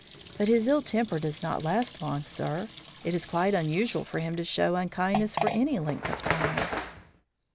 But his ill temper does not last, sir. It is quite unusual for him to show unkindness for any length of time."